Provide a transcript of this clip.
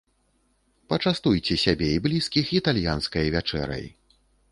Пачастуйце сябе і блізкіх італьянскай вячэрай.